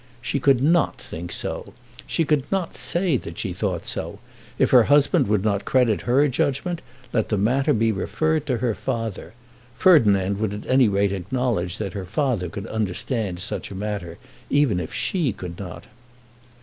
She could not think so. She could not say that she thought so. If her husband would not credit her judgment, let the matter be referred to her father. Ferdinand would at any rate acknowledge that her father could understand such a matter even if she could not.